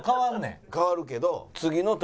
かわるけど。